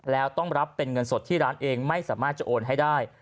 แล้วต้องรับเป็นเงินสดที่ร้านเองไม่สามารถจะโอนให้ได้